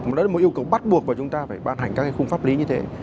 nó là một yêu cầu bắt buộc vào chúng ta phải ban hành các khung pháp lý như thế